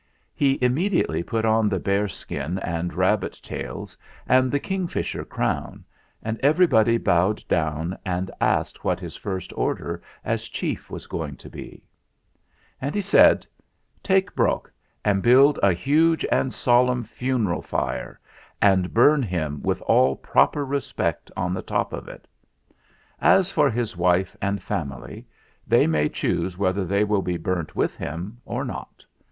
He immediately put on the bear skin and rab bit tails and the kingfisher crown, and every body bowed down and asked what his first order as chief was going to be. THE REIGN OF PHUTT 49 And he said: "Take Brok and build a huge and solemn funeral fire and burn him with all proper respect on the top of it. As for his wife and family, they may choose whether they will be burnt with him or not.